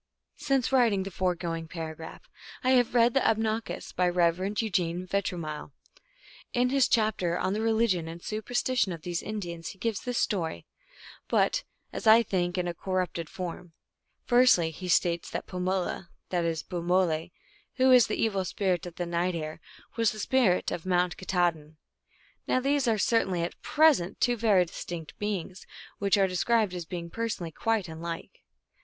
Since writing the foregoing paragraph, I have read The Abnakis, by Rev. Eugene Yetromile. In his chapter on the Religion and Superstition of these In dians he gives this story, but, as I think, in a cor rupted form. Firstly, he states that Pamola (that is, Bumole), who is the evil spirit of the night air, was the Spirit of Mount Katahdin. Now these are cer tainly at present two very distinct beings, which are described as being personally quite unlike.